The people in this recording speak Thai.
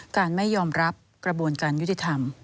ไม่ยอมรับกระบวนการยุติธรรม